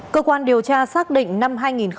cơ quan điều tra xác định năm hai nghìn hai mươi